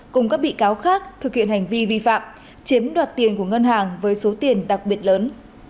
cùng các bị cáo khác thực hiện hành vi vi phạm chiếm đoạt tiền của ngân hàng với số tiền đặc biệt lớn